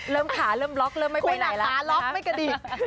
เริ่มขาเริ่มล็อกเริ่มไม่ไปไหนละคุณอ่ะขาล็อกไม่กระดิษฐ์